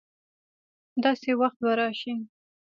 داسي وخت به راشي